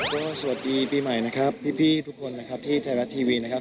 ก็สวัสดีปีใหม่นะครับพี่ทุกคนนะครับที่ไทยรัฐทีวีนะครับ